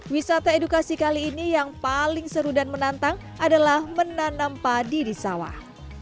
wisata edukasi kali ini yang paling seru dan menantang adalah menanam padi di sawah